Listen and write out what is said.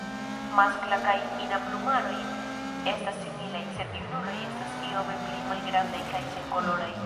Maskla kaj ina plumaroj estas similaj, sed junuloj estas iome pli malgrandaj kaj senkoloraj.